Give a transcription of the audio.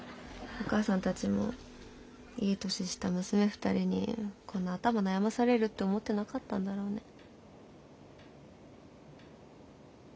お母さんたちもいい年した娘２人にこんな頭悩ませられるって思ってなかったんだろうね。